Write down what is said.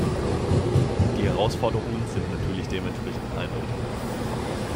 Die Herausforderungen sind natürlich dementsprechend eindeutig.